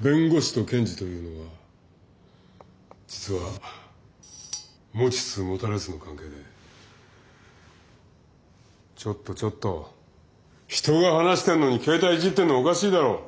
弁護士と検事というのは実は持ちつ持たれつの関係でちょっとちょっと人が話してんのに携帯いじってんのおかしいだろ！